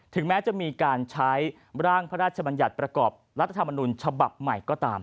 แม้จะมีการใช้ร่างพระราชบัญญัติประกอบรัฐธรรมนุนฉบับใหม่ก็ตาม